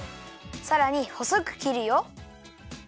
さらにほそくきるよ。